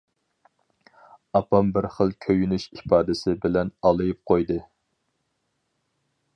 ئاپام بىر خىل كۆيۈنۈش ئىپادىسى بىلەن ئالىيىپ قويدى.